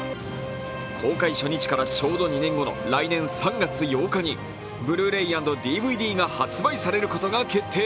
公開初日からちょうど２年後の来年３月８日にブルーレイ＆ＤＶＤが発売されることが決定。